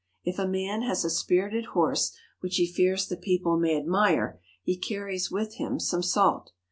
If a man has a spirited horse which he fears the people may admire, he carries with him some salt.